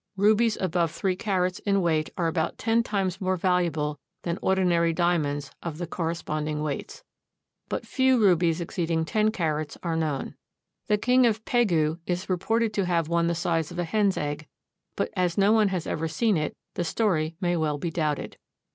Rubies above three carats in weight are about ten times more valuable than ordinary diamonds of the corresponding weights. But few rubies exceeding ten carats are known. The King of Pegu is reported to have one the size of a hen's egg, but as no one has ever seen it the story may well be doubted.